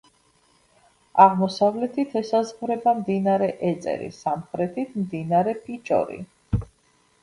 აღმოსავლეთით ესაზღვრება მდინარე ეწერი, სამხრეთით მდინარე ფიჩორი.